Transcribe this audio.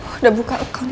udah buka account nya